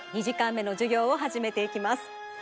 ２時間目の授業をはじめていきます！